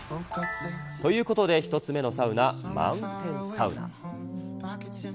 ということで、１つ目のサウナ、マウンテンサウナ。